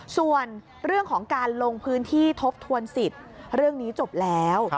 ส่วนเรื่องของการลงพื้นที่ทบทวนสิทธิ์เรื่องนี้จบแล้ว